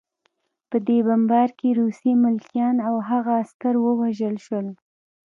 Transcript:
په دې بمبار کې روسي ملکیان او هغه عسکر ووژل شول